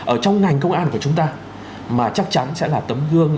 ở trong ngành công an của chúng ta mà chắc chắn sẽ là tấm gương